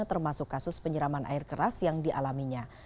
termasuk kasus penyeraman air keras yang dialaminya